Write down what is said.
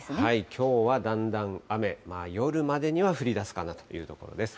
きょうはだんだん雨、夜までには降りだすかなというところです。